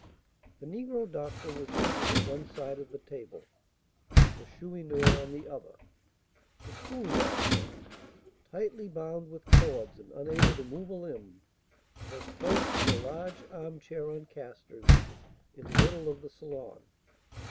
The negro doctor was seated at one side of the table, the Chourineur on the other. The Schoolmaster, tightly bound with cords, and unable to move a limb, was placed in a large armchair on casters, in the middle of the salon.